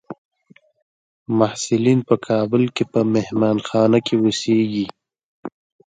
محصلین په کابل کې په مهانخانه کې اوسیږي.